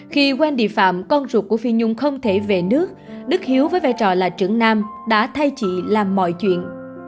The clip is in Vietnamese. khi quen địa phạm con ruột của phi nhung không thể về nước đức hiếu với vai trò là trưởng nam đã thay chị làm mọi chuyện